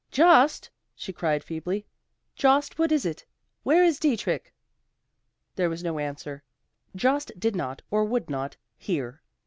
"Jost," she cried feebly, "Jost, what is it? where is Dietrich?" There was no answer; Jost did not or would not, hear.